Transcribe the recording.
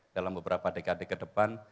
dalam beberapa dekade kedepan